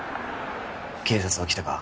警察は来たか？